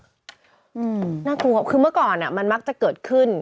อืมน่ากลัวคือเมื่อก่อนมันมักจะเกิดขึ้น